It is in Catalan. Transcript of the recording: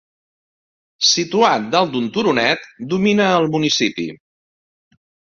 Situat dalt d'un turonet, domina el municipi.